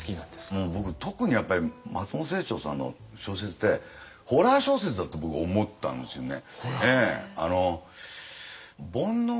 もう僕特にやっぱり松本清張さんの小説ってホラー小説だって僕思ったんですよね。